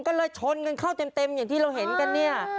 ก็เลยชนกันเข้าเต็มอย่างที่เราเห็นกันเนี่ย